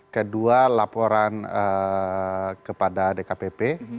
kedua laporan kepada dkpp